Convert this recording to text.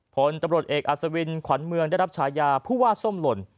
ผลตำรวจเอกอัศวินขวัญเมืองได้รับฉายาผู้ว่าส้มหล่น